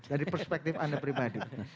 dari perspektif anda pribadi